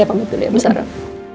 saya pamit dulu ya mas aram